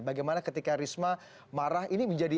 bagaimana ketika risma marah ini menjadi